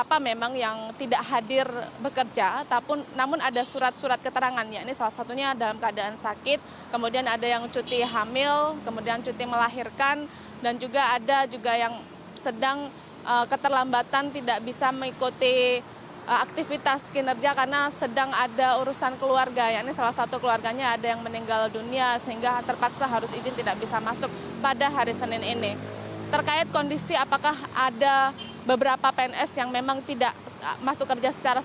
pemprof jawa timur